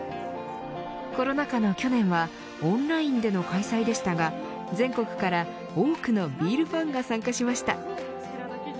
コロナ禍の去年はオンラインでの開催でしたが全国から多くのビールファンが参加しました。